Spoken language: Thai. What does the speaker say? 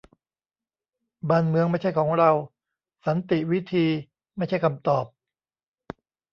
บ้านเมืองไม่ใช่ของเรา : สันติวิธี ไม่ใช่คำตอบ